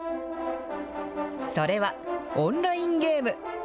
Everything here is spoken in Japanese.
それは、オンラインゲーム。